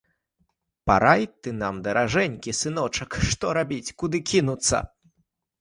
Парай ты нам, даражэнькі сыночак, што рабіць, куды кінуцца.